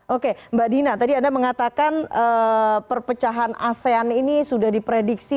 oke mbak dina tadi anda mengatakan perpecahan asean ini sudah diprediksi